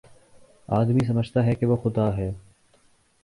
آدمی سمجھتا ہے کہ وہ خدا ہے